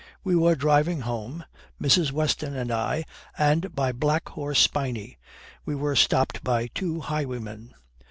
We were driving home, Mrs. Weston and I, and by Black Horse Spinney we were stopped by two highwaymen.